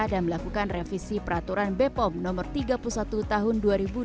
dan melakukan revisi peraturan b pom nomor tiga puluh satu tahun dua ribu delapan belas